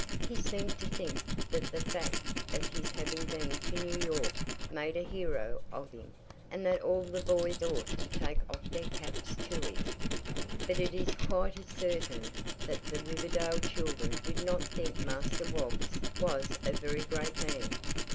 He seemed to think that the fact of his having been to New York made a hero of him, and that all the boys ought to take off their caps to him. But it is quite as certain that the Riverdale children did not think Master Woggs was a very great man.